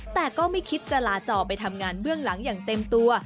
แต่ก็ไม่คิดจะลาจอไปทำงานเบื้องหลังอย่างเต็มตัว